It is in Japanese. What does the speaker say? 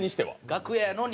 楽屋やのに。